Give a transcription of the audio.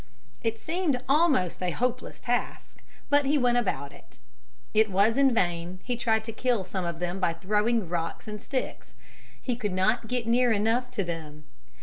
It seemed almost a hopeless task, but he went about it. It was in vain he tried to kill some of them by throwing rocks and sticks. He could not get near enough to them.